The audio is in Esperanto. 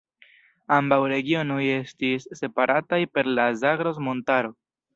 Ambaŭ regionoj estis separataj per la Zagros-montaro.